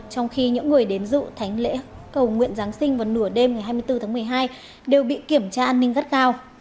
trong khi những người đến dự thánh lễ cầu nguyện giáng sinh vào nửa đêm ngày hai mươi bốn tháng một mươi hai đều bị kiểm tra an ninh gắt cao